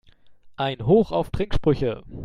Ein Hoch auf Trinksprüche!